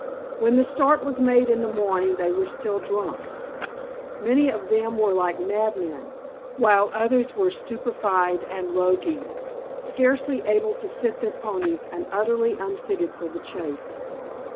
When the start was made in the morning they were still drunk. Many of them were like mad men, while others were stupefied and logy, scarcely able to sit their ponies and utterly unfitted for the chase.